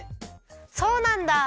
そうなんだ！